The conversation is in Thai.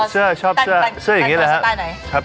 ซื้อชอบซื้อซื้ออย่างงี้แหละครับ